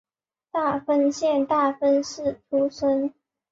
大分县大分市出身。